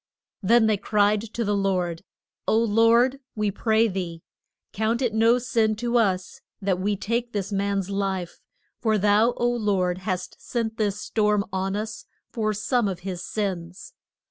Then they cried to the Lord, O Lord, we pray thee, count it no sin to us that we take this man's life, for thou, O Lord, hast sent this storm on us for some of his sins.